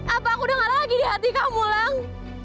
apa aku udah gak ada lagi di hati kamu mulang